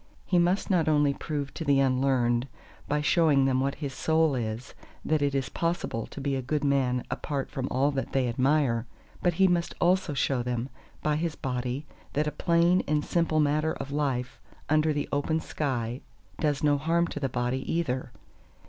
He must not only prove to the unlearned by showing them what his Soul is that it is possible to be a good man apart from all that they admire; but he must also show them, by his body, that a plain and simple manner of life under the open sky does no harm to the body either.